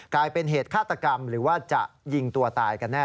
กลายเป็นเหตุฆาตกรรมหรือว่าจะยิงตัวตายกันแน่